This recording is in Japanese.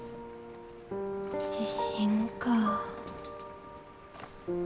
自信かぁ。